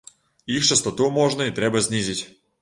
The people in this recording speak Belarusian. Іх частату можна і трэба знізіць.